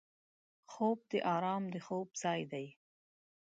خوب د آرام د خوب ځای دی